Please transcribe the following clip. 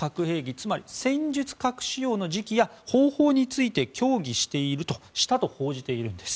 つまり、戦術核使用の時期や方法について協議している、したと報じているんです。